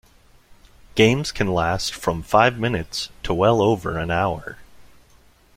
Games can last from five minutes to well over an hour.